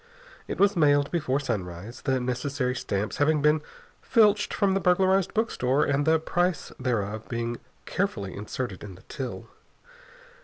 It was mailed before sunrise, the necessary stamps having been filched from the burglarized bookstore and the price thereof being carefully inserted in the till.